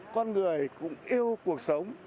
con người cũng yêu cuộc sống